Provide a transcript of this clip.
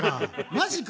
マジか。